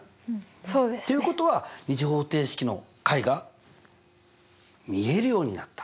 そうですね。ということは２次方程式の解が見えるようになった。